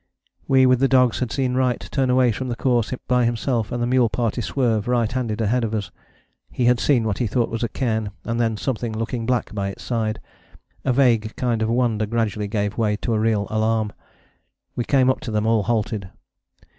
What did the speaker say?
We with the dogs had seen Wright turn away from the course by himself and the mule party swerve right handed ahead of us. He had seen what he thought was a cairn, and then something looking black by its side. A vague kind of wonder gradually gave way to a real alarm. We came up to them all halted.